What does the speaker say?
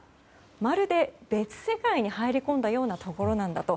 まるで別世界に入り込んだようなところなんだと。